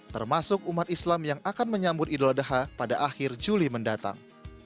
termasuk umat islam yang akan menyambut idul adha pada akhir juli mendatang